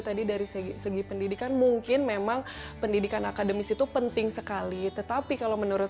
tadi dari segi pendidikan mungkin memang pendidikan akademis itu penting sekali tetapi kalau menurut